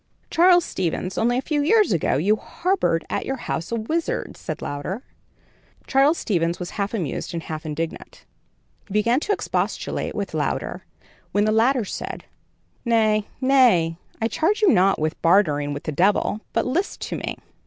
"Charles Stevens, only a few years ago, you harbored at your house a wizard," said Louder. Charles Stevens was half amused and half indignant. He began to expostulate with Louder, when the latter said: "Nay, nay; I charge you not with bartering with the devil; but list to me.